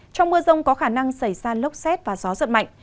trong mưa rông có khả năng xảy ra lốc xét và gió giật mạnh